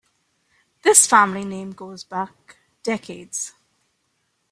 This family name goes back decades.